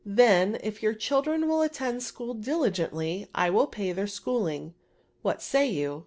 Then, if your children will attend school diligently, I will pay their schooling; what say you?